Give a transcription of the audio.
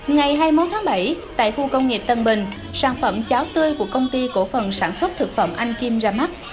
ngày hai mươi một tháng bảy tại khu công nghiệp tân bình sản phẩm cháo tươi của công ty cổ phần sản xuất thực phẩm anh kim ra mắt